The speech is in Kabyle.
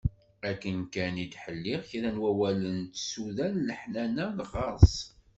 Akken kan i d-ttḥelliɣ kra n wawalen d tsudan n leḥnana ɣer-s.